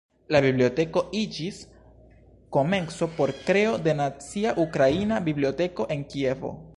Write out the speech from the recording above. La biblioteko iĝis komenco por kreo de Nacia Ukraina Biblioteko en Kievo.